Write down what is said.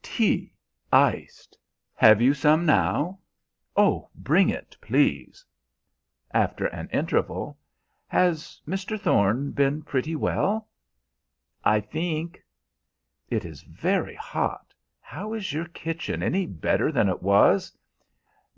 "Tea iced. Have you some now? Oh, bring it, please!" After an interval: "Has Mr. Thorne been pretty well?" "I think." "It is very hot. How is your kitchen any better than it was?"